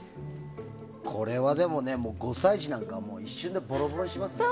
これは５歳児なんかは一瞬でボロボロにしますよ。